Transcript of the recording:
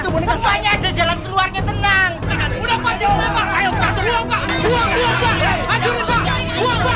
pak jangan jangan